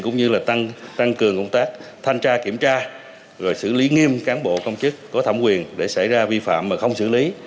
cũng như là tăng cường công tác thanh tra kiểm tra rồi xử lý nghiêm cán bộ công chức có thẩm quyền để xảy ra vi phạm mà không xử lý